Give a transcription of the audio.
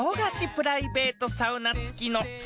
プライベートサウナ付きの修量